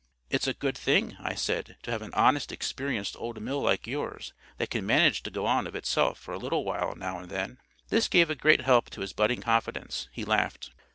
"It's a good thing," I said, "to have an honest experienced old mill like yours, that can manage to go on of itself for a little while now and then." This gave a great help to his budding confidence. He laughed.